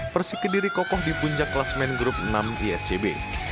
persikidiri kokoh di puncak kelas main group enam iscb